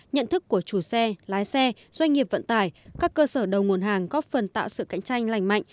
nhận thức của chủ xe lái xe doanh nghiệp vận tải các cơ sở đầu nguồn hàng góp phần tạo sự cạnh tranh lành mạnh